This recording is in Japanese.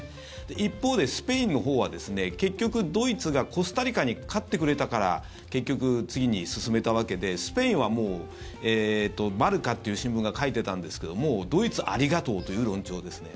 一方でスペインのほうは結局、ドイツがコスタリカに勝ってくれたから結局、次に進めたわけでスペインはマルカという新聞が書いてたんですけどもドイツありがとうという論調ですね。